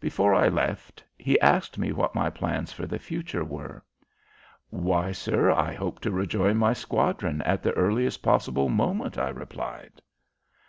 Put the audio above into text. Before I left he asked me what my plans for the future were. "Why, sir, I hope to rejoin my squadron at the earliest possible moment!" I replied.